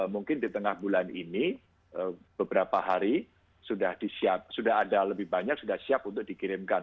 mungkin di tengah bulan ini beberapa hari sudah ada lebih banyak sudah siap untuk dikirimkan